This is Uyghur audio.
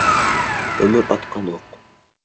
ئۆمۈر ئاتقان ئوق.